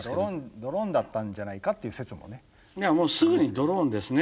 ドローンだったんじゃないかっていう説もねありましたけど。